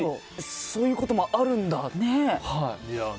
そういうこともあるんだ。